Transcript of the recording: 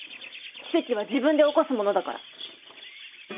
奇跡は自分で起こすものだから。